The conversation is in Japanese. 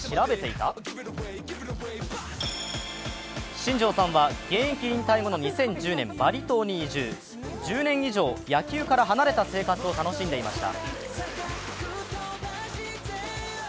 新庄さんは現役引退後の２０１０年バリ島に移住、１０年以上野球から離れた生活を楽しんでいました。